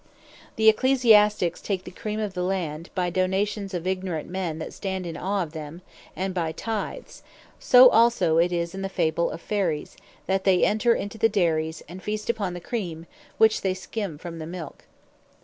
The Ecclesiastiques take the Cream of the Land, by Donations of ignorant men, that stand in aw of them, and by Tythes: So also it is in the Fable of Fairies, that they enter into the Dairies, and Feast upon the Cream, which they skim from the Milk.